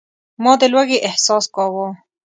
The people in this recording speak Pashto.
ما د لوږې احساس کاوه.